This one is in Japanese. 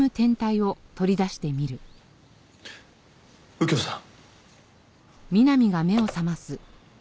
右京さん。